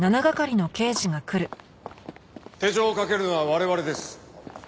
手錠を掛けるのは我々です。